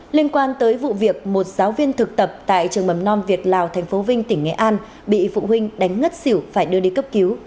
liên quan tới vụ việc một giáo viên thực tập tại trường mầm non việt lào tp vinh tỉnh nghệ an bị phụ huynh đánh ngất xỉu phải đưa đi cấp cứu